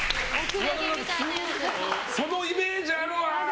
そのイメージあるわ！